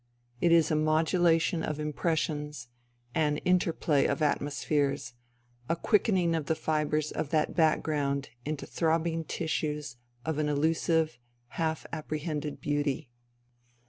It is a modulation of impressions, an interplay of " atmospheres," a quickening of the fibres of that background into throbbing tissues of an elusive, half apprehended beauty.